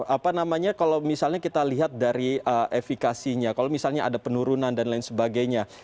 apa namanya kalau misalnya kita lihat dari efikasinya kalau misalnya ada penurunan dan lain sebagainya